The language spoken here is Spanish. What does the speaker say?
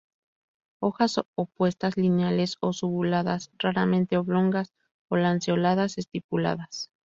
Hojas opuestas, lineales o subuladas, raramente oblongas o lanceoladas, estipuladas.